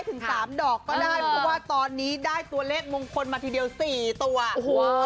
เพราะว่าตอนนี้ได้ตัวเลขมงคลมาทีเดียว๔ตัว